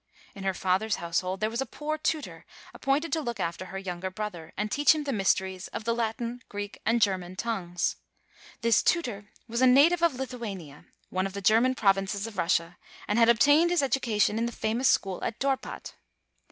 In her father's household there was a poor tutor appointed to look after her younger brother, and teach him the mysteries of the Latin, Greek and German tongues. This tutor was a native of Lithuania, one of the German provinces of Russia, and had obtained his educa tion in the famous school at Dorpat.